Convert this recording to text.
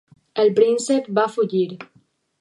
El príncep va fugir.